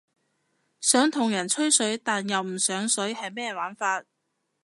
想同人吹水但又唔上水係咩玩法？